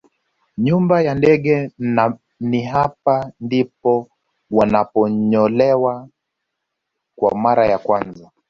Nyumba ya ndege na ni hapa ndipo wanaponyolewa kwa mara ya kwanza